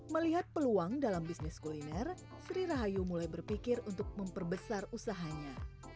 melihat peluang dalam bisnis kuliner sri rahayu mulai berpikir untuk memperbesar usahanya